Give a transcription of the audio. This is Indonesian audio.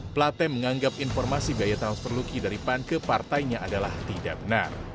plate menganggap informasi biaya transfer lucky dari pan ke partainya adalah tidak benar